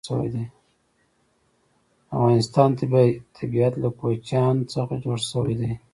د افغانستان طبیعت له کوچیان څخه جوړ شوی دی.